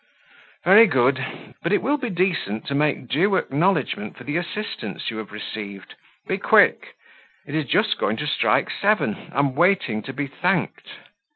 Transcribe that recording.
"Very good but it will be decent to make due acknowledgment for the assistance you have received; be quick! It is just going to strike seven: I'm waiting to be thanked."